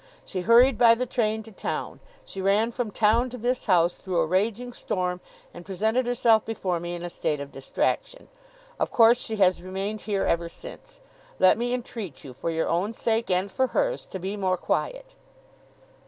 She hurried by the train to town, she ran from town to this house, through a raging storm, and presented herself before me in a state of distraction. Of course, she has remained here ever since. Let me entreat you, for your own sake and for hers, to be more quiet.